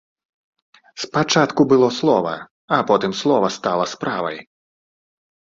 Спачатку было слова, а потым слова стала справай!